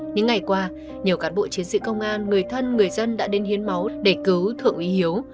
những ngày qua nhiều cán bộ chiến sĩ công an người thân người dân đã đến hiến máu để cứu thượng úy hiếu